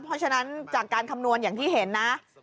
เพราะฉะนั้นจากการคำนวณอย่างที่เห็นนะ